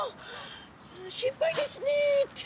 心配ですねって。